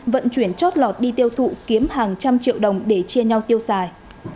vận chuyển chót lọt đi tiêu thụ kiếm hàng trăm triệu đồng để chia nhau tiêu xài